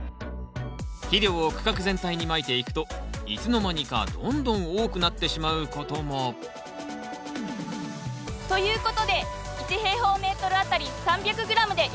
肥料を区画全体にまいていくといつの間にかどんどん多くなってしまうこともということで１あたり３００ｇでやってみます。